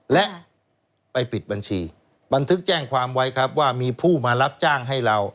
และไปปิดบัญชีบันทึกแจ้งความไว้ครับว่ามีผู้มารับจ้างให้เรา